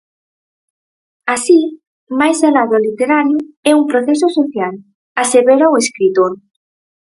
Así, "máis alá do literario, é un proceso social", asevera o escritor.